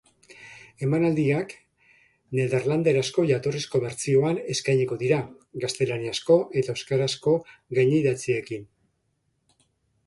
Emanaldiak nederlanderazko jatorrizko bertsioan eskainiko dira, gaztelaniazko eta euskarazko gainidatziekin.